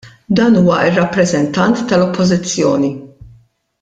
Dan huwa r-rappreżentant tal-Oppożizzjoni!